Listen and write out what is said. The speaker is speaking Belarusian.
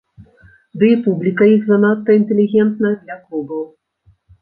Ды і публіка іх занадта інтэлігентная для клубаў.